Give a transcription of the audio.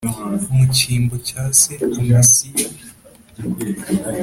Mu cyimbo cya se amasiya